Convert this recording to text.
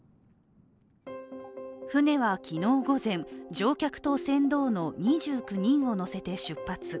舟は昨日午前、乗客と船頭の２９人を乗せて出発。